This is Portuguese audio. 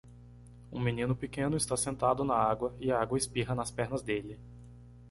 Um menino pequeno está sentado na água e a água espirra nas pernas dele.